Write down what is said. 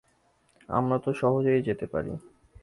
আমরা তো সহজেই যেতে পারি।